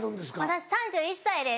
私３１歳です。